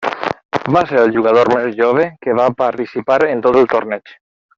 Va ser el jugador més jove que va participar en tot el torneig.